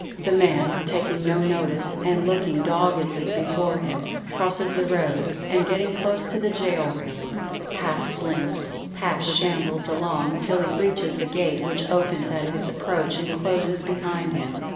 The man, taking no notice and looking doggedly before him, crosses the road, and getting close to the gaol railings, half slinks, half shambles along till he reaches the gate which opens at his approach and closes behind him.